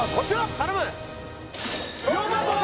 頼む！